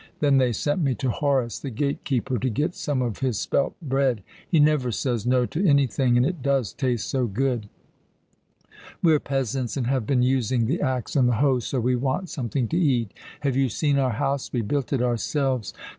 Then they sent me to Horus, the gate keeper, to get some of his spelt bread. He never says no to anything, and it does taste so good. We're peasants, and have been using the axe and the hoe, so we want something to eat. Have you seen our house? We built it ourselves.